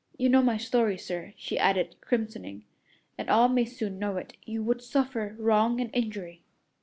You know my story, sir," she added, crimsoning, "and all may soon know it. You would suffer wrong and injury."